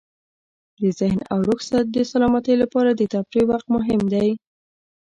د ذهن او روح د سلامتۍ لپاره د تفریح وخت مهم دی.